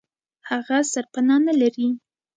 هغه سرپنا نه لري.